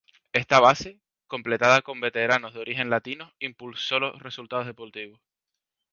Esta base, completada con veteranos de origen latino, impulsó los resultados deportivos.